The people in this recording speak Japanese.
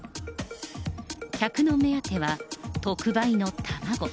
客の目当ては、特売の卵。